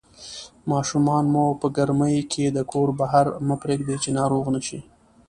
ماشومان مو په ګرمۍ کې د کور بهر مه پرېږدئ چې ناروغ نشي